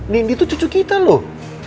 nindi itu cucu kita loh